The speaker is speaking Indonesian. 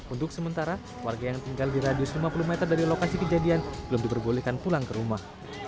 untuk sementara warga yang tinggal di radius lima puluh meter dari lokasi kejadian belum diperbolehkan pulang ke rumah